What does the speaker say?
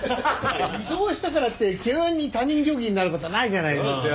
異動したからって急に他人行儀になる事はないじゃないですか。